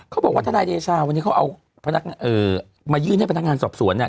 เขาบอกว่าทนายเดชาวันนี้เขาเอามายื่นให้พนักงานสอบสวน